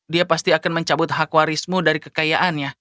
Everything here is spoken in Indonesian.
dia pasti akan mencabut hakwarismu dari kekayaannya